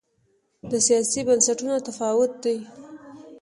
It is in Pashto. دا د سیاسي بنسټونو تفاوت دی.